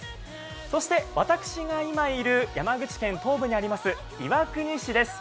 そして私が今いる、山口県東部にあります岩国市です。